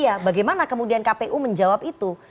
iya bagaimana kemudian kpu menjawab itu